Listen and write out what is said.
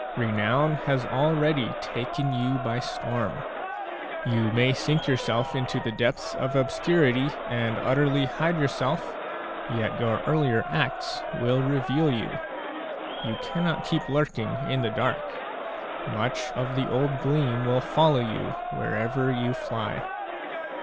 Renown has already taken you by storm. You may sink yourself into the depths of obscurity and utterly hide yourself; yet your earlier acts will reveal you. You cannot keep lurking in the dark; much of the old gleam will follow you wherever you fly.